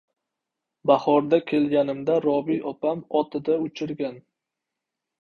Bahorda kelganimda Robi opam «ot»ida uchirgan.